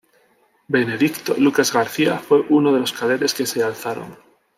Benedicto Lucas García fue uno de los cadetes que se alzaron.